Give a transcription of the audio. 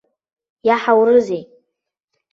Иаҳаурызеи.